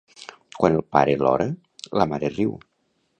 Quan el pare lora, la mare riu.